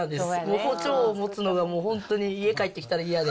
包丁を持つのがもう本当に家帰ってきたら嫌で。